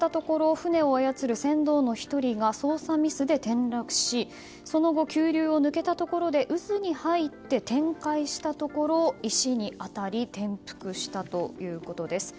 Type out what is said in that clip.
船を操る船頭の１人が操作ミスで転落し、その後急流を抜けたところで渦に入って転回したところ石に当たり転覆したということです。